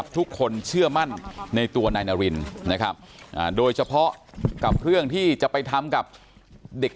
ทุกคนเชื่อมั่นในตัวนายนารินนะครับโดยเฉพาะกับเรื่องที่จะไปทำกับเด็ก